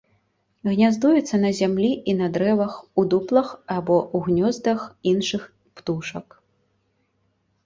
Гняздуецца на зямлі і на дрэвах, у дуплах або ў гнёздах іншых птушак.